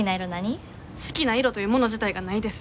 好きな色というもの自体がないです。